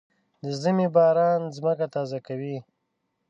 د ژمي باران ځمکه تازه کوي.